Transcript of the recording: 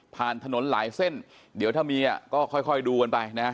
ผ่านถนนหลายเส้นเดี๋ยวถ้ามีอ่ะก็ค่อยค่อยดูมันไปนะฮะ